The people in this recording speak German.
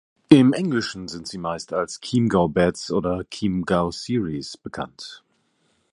Im Englischen sind sie meist als "Chiemgau Beds" oder "Chiemgau Series" bekannt.